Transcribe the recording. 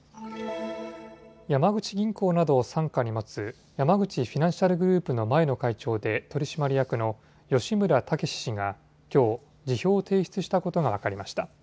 山口銀行などを傘下に持つ山口フィナンシャルグループの前の会長で取締役の吉村猛氏がきょう、辞表を提出したことが分かりました。